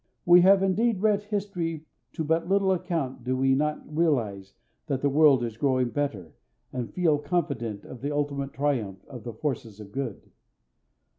We have indeed read history to but little account do we not realize that the world is growing better, and feel confident of the ultimate triumph of the forces of good.